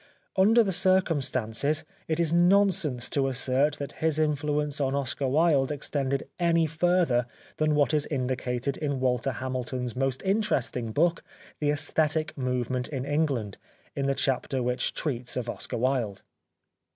Under the circumstances it is nonsense to assert that his influence on Oscar Wilde extended any further than what is indicated in Walter Hamilton's most interesting book, " The Esthetic Movement in England," in the chapter which treats of Oscar Wilde.